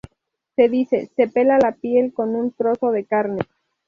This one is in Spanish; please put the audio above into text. Se dice: Se pela la piel con un trozo de carne.